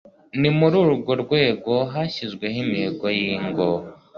Ni muri urwo rwego hashyizweho imihigo y'ingo